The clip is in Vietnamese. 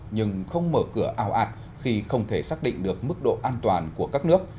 nhưng không mở cửa ảo ạt khi không thể xác định được mức độ an toàn của các nước